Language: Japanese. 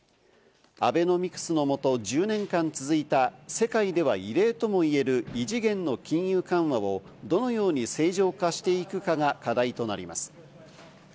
アベノミクスのもと１０年間続いた世界では異例ともいえる異次元の金融緩和をどのように正常化していくかが課題となります。